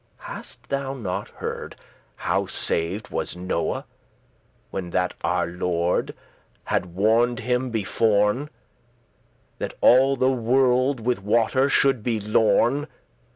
Hast thou not heard how saved was Noe, When that our Lord had warned him beforn, That all the world with water *should be lorn*?"